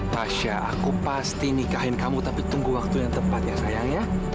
tasya aku pasti nikahin kamu tapi tunggu waktu yang tepat ya sayang ya